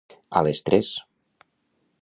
A les tres!